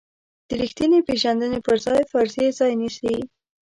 د ریښتینې پېژندنې په ځای فرضیې ځای نیسي.